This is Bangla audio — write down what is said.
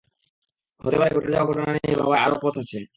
হতে পারে ঘটে যাওয়া ঘটনাটা নিয়ে ভাবার আরো পথ আছে।